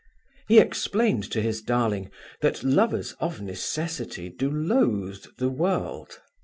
He explained to his darling that lovers of necessity do loathe the world.